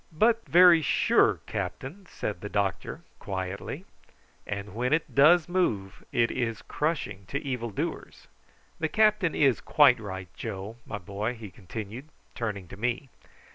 "But very sure, captain," said the doctor quietly. "And when it does move it is crushing to evil doers. The captain is quite right, Joe, my boy," he continued, turning to me.